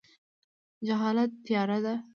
جهالت تیاره ده